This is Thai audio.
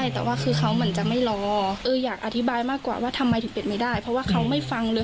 แล้วเขาเห็นได้ยินว่าอะไรอย่างนี้